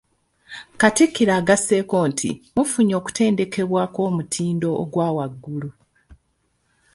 Katikkiro agasseeko nti “mufunye okutendekebwa okw'omutindo ogwa waggulu"